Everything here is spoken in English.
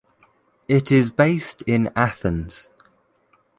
It is based in Athens.